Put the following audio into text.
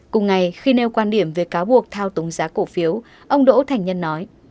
cùng ngày khi nêu quan điểm về cáo buộc thao túng giá cổ phiếu ông đỗ thành nhân nói